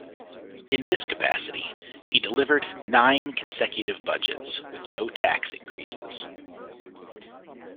In this capacity, he delivered nine consecutive budgets with no tax increases.